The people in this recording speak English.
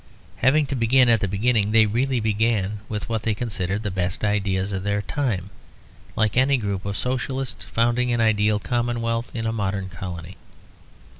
Having to begin at the beginning, they really began with what they considered the best ideas of their time; like any group of Socialists founding an ideal Commonwealth in a modern colony.